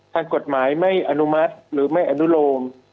ทางกฎหมายไม่อนุมัติหรือไม่อนุโลม